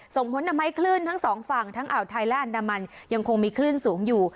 ส่งผลทำให้คลื่นทั้งสองฝั่งทั้งอ่าวไทยและอันดามันยังคงมีคลื่นสูงอยู่